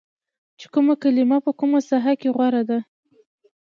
چې کومه کلمه په کومه ساحه کې غوره ده